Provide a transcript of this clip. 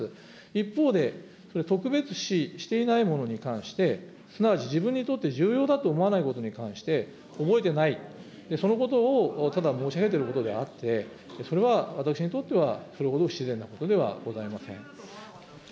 一方で、特別視していないものに関して、すなわち自分にとって重要だと思わないものに関して、覚えてない、そのことをただ申し上げていることであって、それは私にとってはそれほど不自然なことではございません。